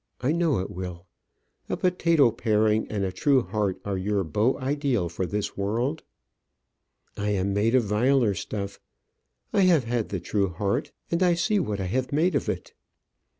I know it will. A potato paring and a true heart are your beau ideal for this world. I am made of viler stuff. I have had the true heart, and see what I have made of it!